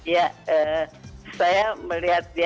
ya saya melihatnya